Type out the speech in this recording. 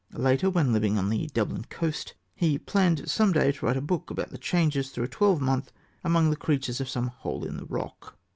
Later, when living on the Dublin coast, he "planned some day to write a book about the changes through a twelvemonth among the creatures of some hole in the rock."